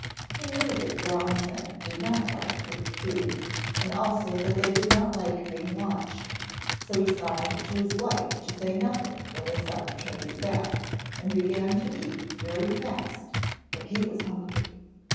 He knew that drowned men did not like cooked food, and also that they did not like being watched. So he signed to his wife to say nothing when the son turned his back, and began to eat very fast, for he was hungry.